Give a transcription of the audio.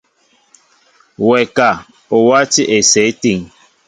Wɛ ka, o wátī esew étíŋ ?